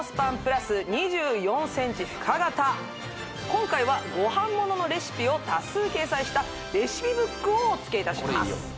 今回はご飯もののレシピを多数掲載したレシピブックをおつけいたします